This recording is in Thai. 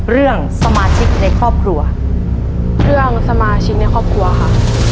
เรื่องสมาชิกในครอบครัวเรื่องสมาชิกในครอบครัวค่ะ